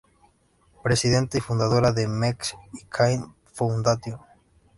Presidenta y fundadora de Mex I Can Foundation.